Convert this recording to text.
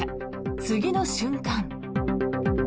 次の瞬間。